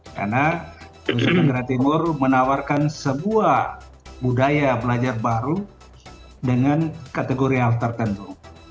karena nusa tenggara timur menawarkan sebuah budaya belajar baru dengan kategori hal tertentu